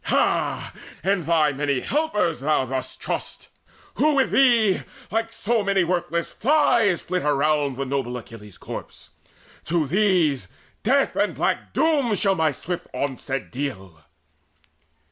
Ha, in thy many helpers dost thou trust Who with thee, like so many worthless flies, Flit round the noble Achilles' corpse? To these Death and black doom shall my swift onset deal."